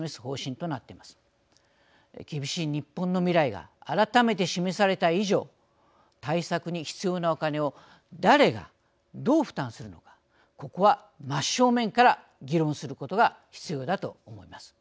厳しいニッポンの未来が改めて示された以上対策に必要なお金を誰がどう負担するのかここは真正面から議論することが必要だと思います。